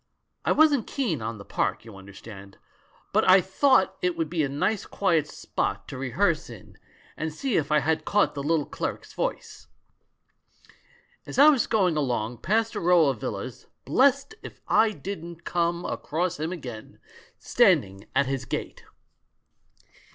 I wasn't keen on the park, you understand, but I thought it would be a nice quiet spot to rehearse in and see if I had caught the little cleric's voice. As I was going along, past a row of villas, blest if I didn't come across him again, standing at his gate